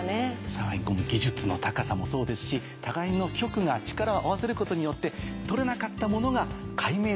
さらに技術の高さもそうですし互いの局が力を合わせることによって撮れなかったものが解明できていく。